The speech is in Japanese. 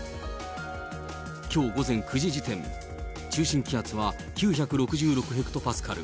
きょう午前９時時点、中心気圧は９６６ヘクトパスカル、